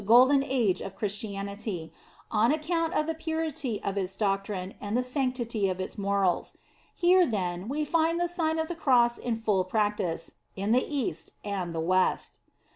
6l "Golden Age" of Christianity, on account of the purity of its doctrine, and the sanctity of its morals. Here, then, we find the Sign of the Cross in full practice, in the East and the West.